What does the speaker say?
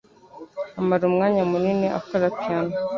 Amara umwanya munini akora piyano.